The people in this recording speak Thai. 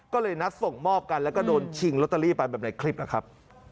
ก็เลยนัดส่งมอบกันแล้วก็โดนชิงลอตเตอรี่ไปแบบในคลิปนะครับ